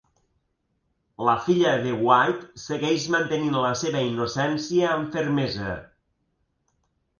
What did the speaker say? La filla de White segueix mantenint la seva innocència amb fermesa.